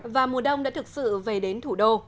và mùa đông đã thực sự về đến thủ đô